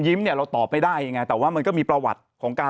เนี่ยเราตอบไม่ได้ไงแต่ว่ามันก็มีประวัติของการ